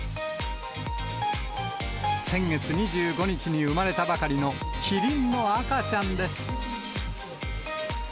先月２５日に産まれたばかりのキリンの赤ちゃんです。